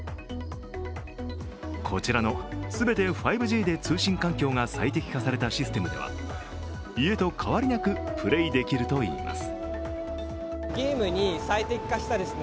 こちらの全て５Ｇで通信環境が最適化されたシステムでは家と変わりなくプレーできるといいます。